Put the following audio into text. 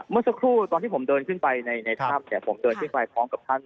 เมื่อสักครู่ตอนที่ผมเดินขึ้นไปในถ้ำเนี่ยผมเดินขึ้นไปพร้อมกับท่าน